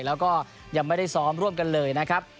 แล้วก็ยังไม่ได้ซ้อมร่วมกันเลยนะครับ